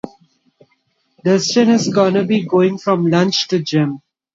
Dustin is gonna be going from lunch to gym.